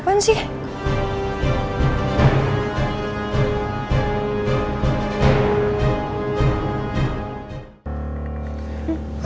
panti asuhan mutiara bunda